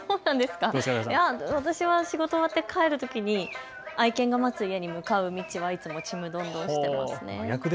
私は仕事、終わって帰るときに愛犬が待つ家に向かう道はいつもちむどんどんしています。